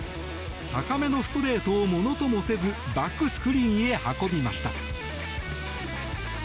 高めのストレートをものともせずバックスクリーンへ運びました。